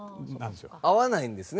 合わないんですね